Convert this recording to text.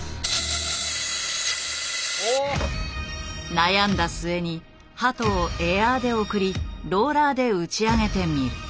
悩んだ末に鳩をエアーで送りローラーで打ち上げてみる。